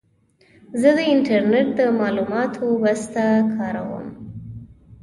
زه د انټرنېټ د معلوماتو بسته کاروم.